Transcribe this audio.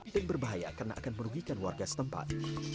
dan berbahaya karena akan merugikan warga setempat